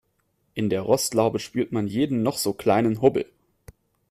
In der Rostlaube spürt man jeden noch so kleinen Hubbel.